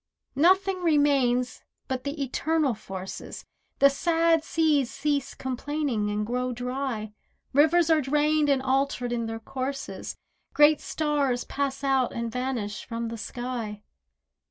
Nothing remains but the Eternal Forces, The sad seas cease complaining and grow dry, Rivers are drained and altered in their courses, Great stars pass out and vanish from the sky.